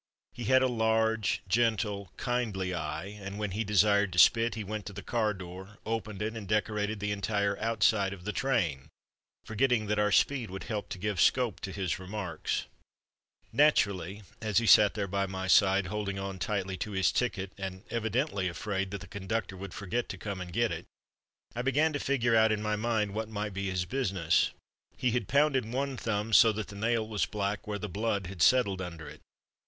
He had a large, gentle, kindly eye, and when he desired to spit, he went to the car door, opened it and decorated the entire outside of the train, forgetting that our speed would help to give scope to his remarks. Naturally as he sat there by my side, holding on tightly to his ticket and evidently afraid that the conductor would forget to come and get it, I began to figure out in my mind what might be his business. He had pounded one thumb so that the nail was black where the blood had settled under it.